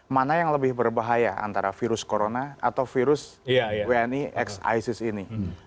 mana yang lebih berbahaya antara virus corona atau virus wni x isis ini